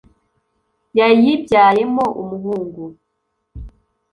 yayibyayemo umuhungu